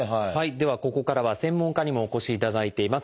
ではここからは専門家にもお越しいただいています。